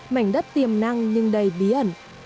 mảnh đất tiềm năng nhưng đầy bí ẩn